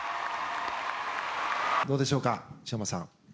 どうでしょうか昌磨さん。